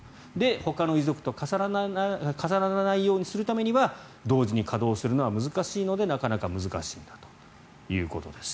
ほかの遺族と重ならないようにするためには同時に稼働するのは難しいのでなかなか難しいんだということです。